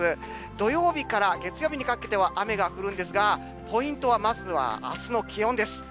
土曜日から月曜日にかけては雨が降るんですが、ポイントは、まずはあすの気温です。